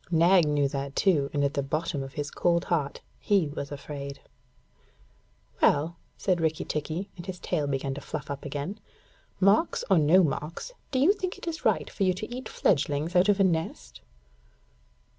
Nag knew that too, and at the bottom of his cold heart he was afraid. 'Well,' said Rikki tikki, and his tail began to fluff up again, 'marks or no marks, do you think it is right for you to eat fledglings out of a nest?'